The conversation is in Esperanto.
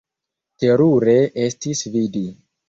Terure estis vidi!